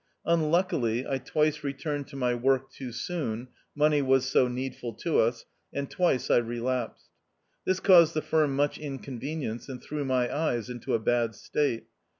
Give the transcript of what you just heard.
Unluckily, I twice returned to my work too soon (money was so needful to us), and twice I relapsed. This caused the firm much inconvenience, and threw my eyes into a bad state.